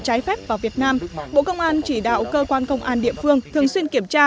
trái phép vào việt nam bộ công an chỉ đạo cơ quan công an địa phương thường xuyên kiểm tra